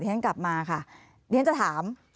ที่ฉันกลับมาค่ะที่ฉันจะถาม